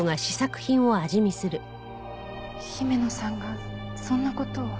姫野さんがそんな事を。